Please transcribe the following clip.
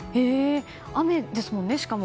雨ですもんね、しかも。